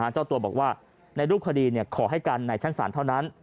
เจ้าตัวบอกว่าในรูปคดีขอให้กันในชั้นศาลเท่านั้น